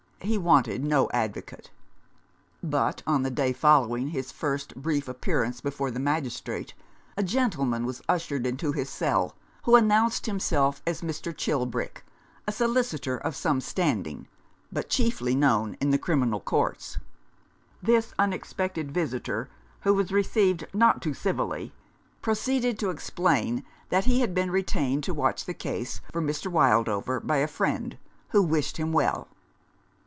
He wanted no advocate. But on the day following his first brief appear ance before the magistrate, a gentleman was ushered into his cell, who announced himself as 139 Rough Justice. Mr. Chilbrick, a solicitor of some standing, but chiefly known in the criminal courts. This un expected visitor, who was received not too civilly, proceeded to explain that he had been retained to watch the case for Mr. Wildover by a friend who wished him well.